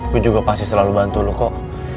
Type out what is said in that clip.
gue juga pasti selalu bantu lo kok